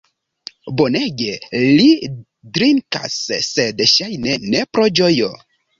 Bonege li drinkas, sed ŝajne ne pro ĝojo!